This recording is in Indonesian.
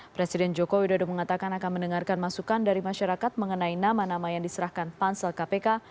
presiden joko widodo mengatakan akan mendengarkan masukan dari masyarakat mengenai nama nama yang diserahkan pansel kpk